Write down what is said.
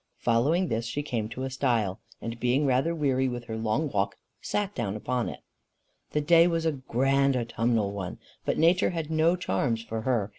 Following this, she came to a stile, and being rather weary with her long walk, sat down on it. The day was a grand autumnal one. But nature had no charms for her.